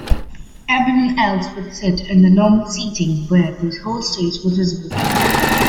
Everyone else would sit in the normal seating where the whole stage was visible.